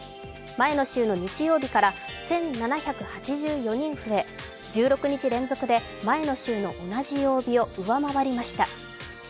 前の週の日曜日から１７８４人増え、１６日連続で前の週の同じ曜日を上回りました。